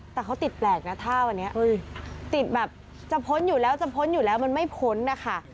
แต่เขาติดแปลกนะถ้าวันนี้ติดแบบจะพ้นอยู่แล้วจะพ้นอยู่แล้วมันไม่พ้นนะคะ